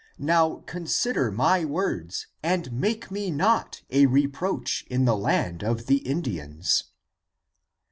Now consider my words and make me not a reproach in the land of the Indians."